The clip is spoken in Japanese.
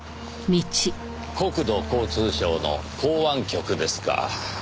国土交通省の港湾局ですか。